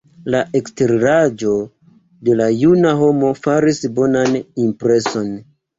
La eksteraĵo de la juna homo faris bonan impreson.